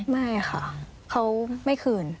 ไม่ค่ะเขาไม่คืน